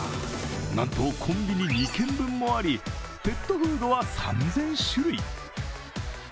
なんとコンビニ２軒分もありペットフードは３０００種類。